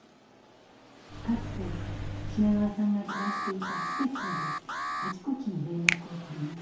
かつて品川さんが暮らしていた施設などあちこちに連絡を取ります。